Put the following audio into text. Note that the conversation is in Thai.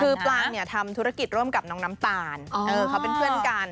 คือปลางเนี่ยทำธุรกิจร่วมกับน้องน้ำตาลเขาเป็นเพื่อนกัน